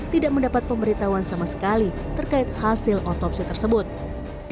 tidak mendapat pemberitahuan sama sekali terkait hasil otopsi tersebut